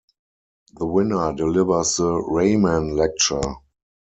The winner delivers the Rahman lecture.